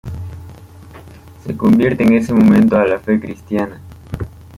Se convierte en ese momento a la fe cristiana.